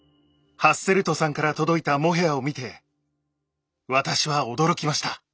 ハッセルトさんから届いたモヘアを見て私は驚きました。